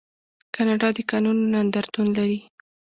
کاناډا د کانونو نندارتون لري.